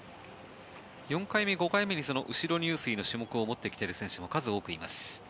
４回目、５回目に後ろ入水の種目を持ってきている選手が数多くいます。